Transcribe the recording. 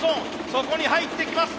そこに入ってきます。